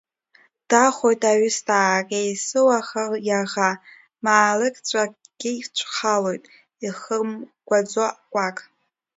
Дахоит аҩысҭаак есыуаха иаӷа, маалықьцәакгьы цәхалоит ихымкәаӡо қәак.